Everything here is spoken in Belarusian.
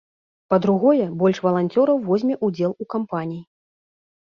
Па-другое, больш валанцёраў возьме ўдзел у кампаніі.